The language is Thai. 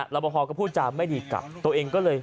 รับประพอก็พูดจาไม่ดีกลับตัวเองก็เลย